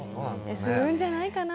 するんじゃないかな？